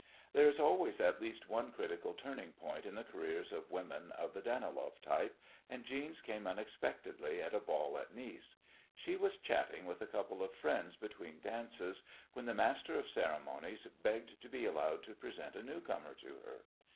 There is always at least one critical turning point in the careers of women of the Daniloff type, and Jeanne's came unexpectedly at a ball at Nice. She was chatting with a couple of friends between dances when the master of ceremonies begged to be allowed to present a newcomer to her.